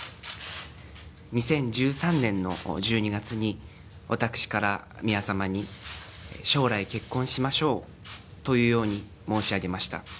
２０１３年の１２月に、私から宮様に、将来結婚しましょうというように申し上げました。